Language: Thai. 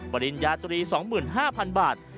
ปริญญาตรี๒๕๐๐๐บาท